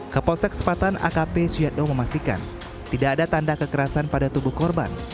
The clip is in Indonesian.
kapolsek sepatan akp syeddo memastikan tidak ada tanda kekerasan pada tubuh korban